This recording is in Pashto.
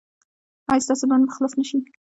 ایا ستاسو بند به خلاص نه شي؟